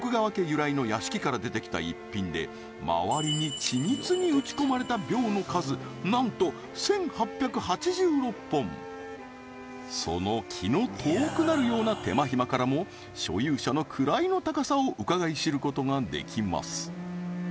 由来の屋敷から出てきた逸品で周りに綿密に打ち込まれた鋲の数なんと１８８６本その気の遠くなるような手間暇からも所有者の位の高さをうかがい知ることができます